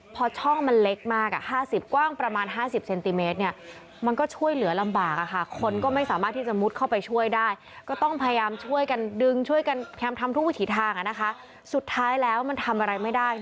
พอช่องมันเล็กมาก๕๐กว้างประมาณ๕๐เซนติเมตรเนี่ย